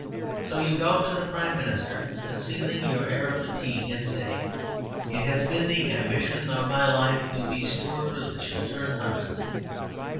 So you go to the Prime Minister, concealing your air of fatigue, and say, "It has been the ambition of my life to be Steward of the Chiltern Hundreds."